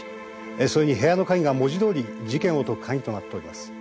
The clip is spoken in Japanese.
それに部屋の鍵が文字通り事件を解くカギとなっております。